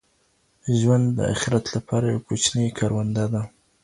ژوند د اخیرت لپاره یوه کوچنۍ کرونده ده.